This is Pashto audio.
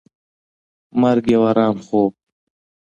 مرګ یو ارام خوب دی.